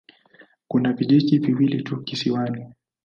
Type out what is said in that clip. Kuna vijiji viwili tu kisiwani.